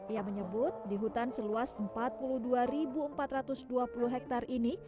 ia menyebut di hutan seluas empat puluh dua empat ratus dua puluh hektare ini